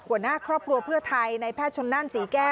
หัวหน้าครอบครัวเพื่อไทยในแพทย์ชนนั่นศรีแก้ว